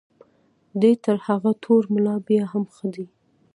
دی تر هغه تور ملا بیا هم ښه دی.